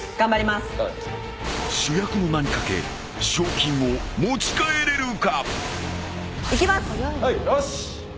［主役の名に懸け賞金を持ち帰れるか？］いきます！